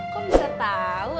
kok bisa tau